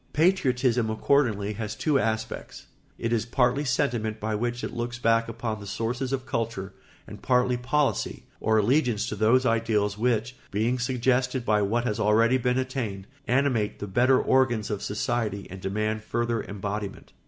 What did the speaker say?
Patriotism accordingly has two aspects: it is partly sentiment by which it looks back upon the sources of culture, and partly policy, or allegiance to those ideals which, being suggested by what has already been attained, animate the better organs of society and demand further embodiment.